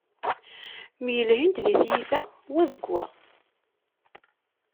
Myelhin-d di tyita wa deg wa.